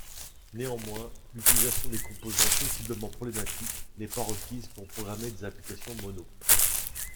Néanmoins, l'utilisation des composants possiblement problématiques n'est pas requise pour programmer des applications Mono.